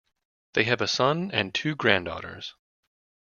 They have a son and two granddaughters.